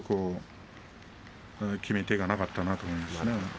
決め手がなかったなと思いますね。